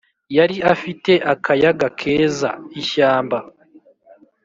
yari afite akayaga keza, ishyamba,